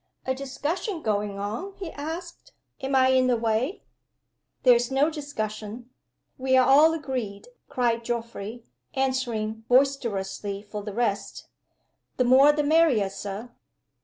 "A discussion going on?" he asked. "Am I in the way?" "There's no discussion we are all agreed," cried Geoffrey, answering boisterously for the rest. "The more the merrier, Sir!"